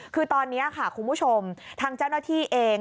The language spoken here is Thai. คือตอนนี้ค่ะคุณผู้ชมทางเจ้าหน้าที่เอง